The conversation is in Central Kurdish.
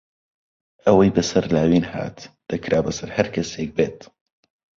ئەوەی بەسەر لاوین هات، دەکرا بەسەر هەر کەسێک بێت.